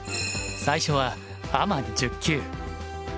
最初はアマ１０級。